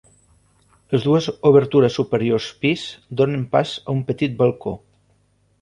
Les dues obertures superiors pis donen pas a un petit balcó.